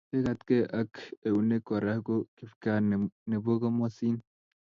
Kekatkeiak eunek Kora ko kipkaa nebo komosin